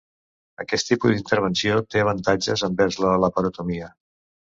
Aquest tipus d'intervenció té avantatges envers la laparotomia.